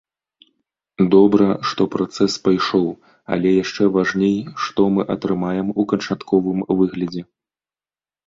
Добра, што працэс пайшоў, але яшчэ важней, што мы атрымаем у канчатковым выглядзе.